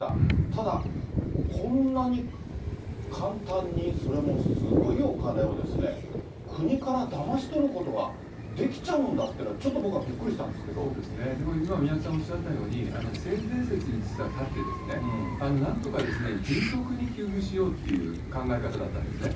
ただ、こんなに簡単に、それもすごいお金を、国からだまし取ることができちゃうんだっていうのは、ちょっと僕でも、今、宮根さんおっしゃったように、性善説に実は立って、なんとか迅速に給付しようっていう考え方だったんですね。